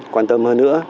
quan tâm hơn nữa